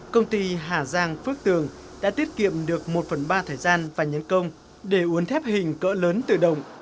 công ty hà giang phước tường đã tiết kiệm được một phần ba thời gian và nhân công để uốn thép hình cỡ lớn tự động